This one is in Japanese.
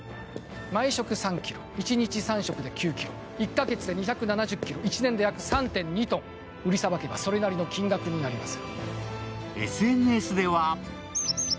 毎食３ｋｇ、１日３食で９ｋｇ、１か月で２７０ｋｇ、１年で約３．２ｔ、売りさばけばそれなりの金額になります。